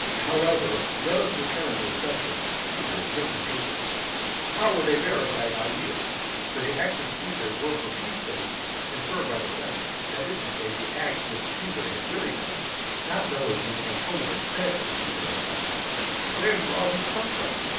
XXXIX. However, let us return to the subject of Caesar's written papers. How were they verified by you? For the acts of Caesar were for peace's sake confirmed by the senate; that is to say, the acts which Caesar had really done, not those which Antonius said that Caesar had done. Where do all these come from?